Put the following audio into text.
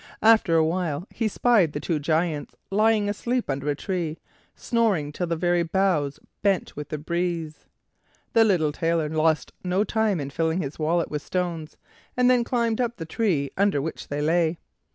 After a while he spied the two Giants lying asleep under a tree, snoring till the very boughs bent with the breeze. The little Tailor lost no time in filling his wallet with stones, and then climbed up the tree under which they lay.